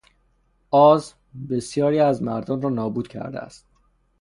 آز بسیاری از مردان را نابود کرده است.